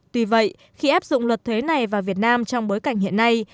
tuy vậy khi áp dụng luật thuế này vào việt nam trong bối cảnh hiện nay